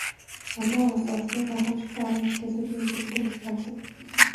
Манай улс урлагийн гайхамшигтай уран бүтээлүүдийн өв хөрөнгөөрөө их баялаг.